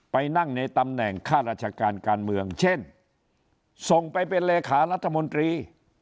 ไปนั่งในตำแหน่งข้าราชการการเมืองเช่นส่งไปเป็นเลขารัฐมนตรี